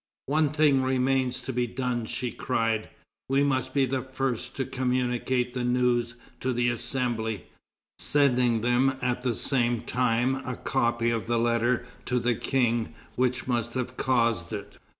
"One thing remains to be done," she cried; "we must be the first to communicate the news to the Assembly, sending them at the same time a copy of the letter to the King which must have caused it."